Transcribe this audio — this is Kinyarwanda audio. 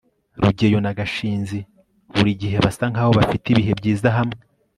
rugeyo na gashinzi burigihe basa nkaho bafite ibihe byiza hamwe